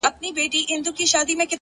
هره هڅه ارزښت رامنځته کوي